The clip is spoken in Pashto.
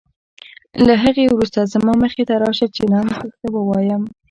له هغې وروسته زما مخې ته راشه چې رمز درته ووایم.